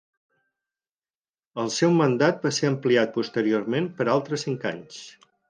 El seu mandat va ser ampliat posteriorment per altres cinc anys.